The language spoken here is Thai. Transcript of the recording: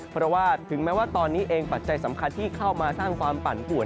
เพราะว่าถึงแม้ว่าตอนนี้เองปัจจัยสำคัญที่เข้ามาสร้างความปั่นป่วน